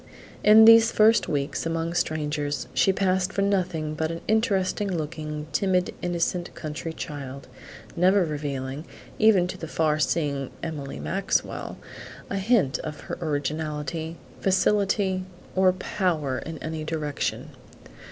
In these first weeks among strangers she passed for nothing but an interesting looking, timid, innocent, country child, never revealing, even to the far seeing Emily Maxwell, a hint of her originality, facility, or power in any direction.